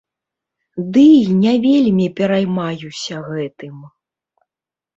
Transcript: Ды і не вельмі пераймаюся гэтым.